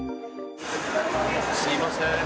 すみません。